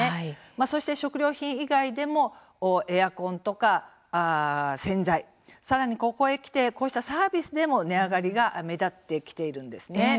そして食料品以外でもエアコンとか洗剤さらに、ここにきてサービスでも値上がりが目立ってきているんです。